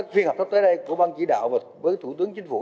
một mươi năm khuyên hợp tới đây của ban chỉ đạo với thủ tướng chính phủ